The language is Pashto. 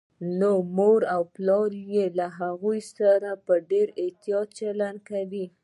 نو مور و پلار يې له هغوی سره په ډېر احتياط چلند کوي